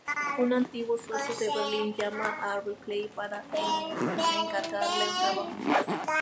Un antiguo socio de Berlín llama a Ripley para encargarle un trabajo más.